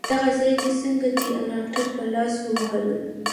دغه ځای دي څنګه دی؟ ډاکټر په لاسو ووهلم.